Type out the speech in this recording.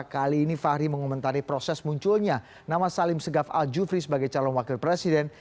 kali ini fahri mengomentari proses munculnya nama salim segaf al jufri sebagai calon wakil presiden